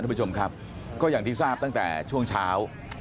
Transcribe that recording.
ทุกผู้ชมครับก็อย่างที่ทราบตั้งแต่ช่วงเช้า